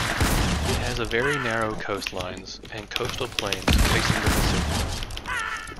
It has a very narrow coastlines and coastal plains facing the Pacific.